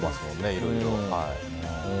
いろいろ。